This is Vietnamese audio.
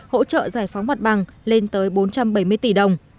hỗ trợ giải phóng mặt bằng lên tới bốn trăm bảy mươi tỷ đồng